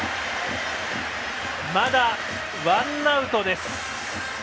まだワンアウトです。